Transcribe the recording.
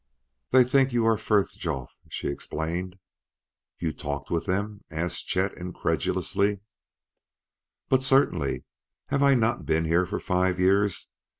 "They think you are Frithjof," she explained. "You talked with them?" asked Chet incredulously. "But certainly; have I not been here for five years?